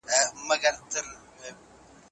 په اتڼ کي منډي نه وهل کېږي.